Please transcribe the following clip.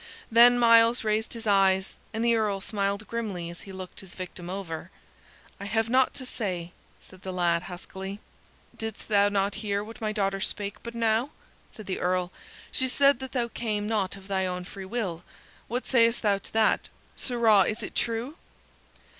Then Myles raised his eyes, and the Earl smiled grimly as he looked his victim over. "I have naught to say," said the lad, huskily. "Didst thou not hear what my daughter spake but now?" said the Earl. "She said that thou came not of thy own free will; what sayst thou to that, sirrah is it true?"